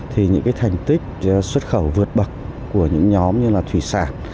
thì những cái thành tích xuất khẩu vượt bậc của những nhóm như là thủy sản